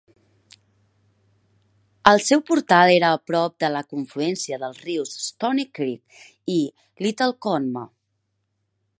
El seu portal era a prop de la confluència dels rius Stonycreek i Little Conemaugh.